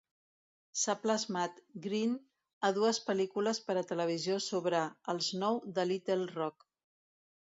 S'ha plasmat Green a dues pel·lícules per a televisió sobre "Els nou de Little Rock".